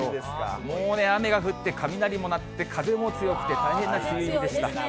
もうね、雨が降って、雷も鳴って、風も強くて、大変な日でした。